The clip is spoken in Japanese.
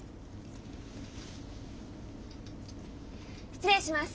失礼します。